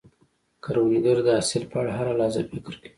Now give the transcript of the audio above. کروندګر د حاصل په اړه هره لحظه فکر کوي